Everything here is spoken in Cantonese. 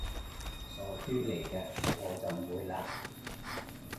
傻豬嚟嘅，我就唔會嘞